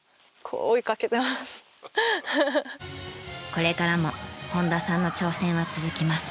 これからも本田さんの挑戦は続きます。